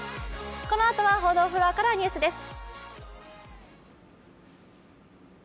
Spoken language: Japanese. このあとは報道フロアからニュースです。